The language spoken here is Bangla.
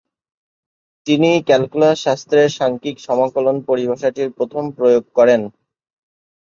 তিনি ক্যালকুলাস শাস্ত্রের সাংখ্যিক সমাকলন পরিভাষাটির প্রথম প্রয়োগ করেন।